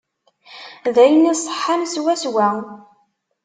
D ayen iṣeḥḥan swaswa.